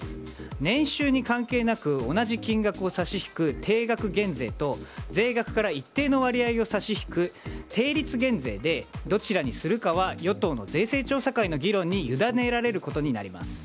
年収に関係なく同じ金額を差し引く定額減税と税額から一定の割合を差し引く定率減税でどちらにするかは与党の税制調査会の議論にゆだねられることになります。